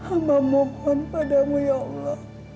ama mohon padamu ya allah